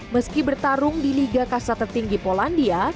meski bertarung di liga kasta tertinggi polandia